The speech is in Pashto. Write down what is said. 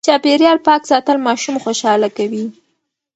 چاپېريال پاک ساتل ماشوم خوشاله کوي.